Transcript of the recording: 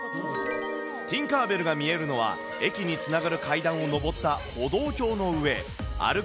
ティンカー・ベルが見えるのは、駅につながる階段を上った歩道橋の上。